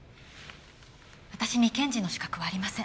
私に検事の資格はありません。